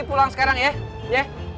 pulang sekarang ya